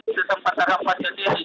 itu tempat tempat ke diri